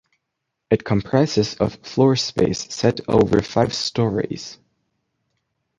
It comprises of floor space set over five storeys.